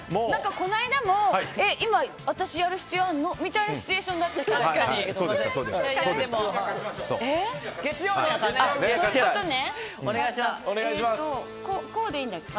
この間も私やる必要ある？みたいなシチュエーションだったけど。